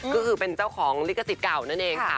ก็คือเป็นเจ้าของลิขสิทธิ์เก่านั่นเองค่ะ